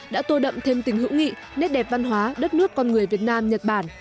đã tô đậm thêm tình hữu nghị nét đẹp văn hóa đất nước con người việt nam nhật bản